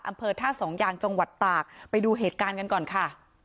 อำเภอท่าสองยางจังหวัดตากไปดูเหตุการณ์กันก่อนค่ะ